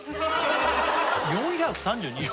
４３２円？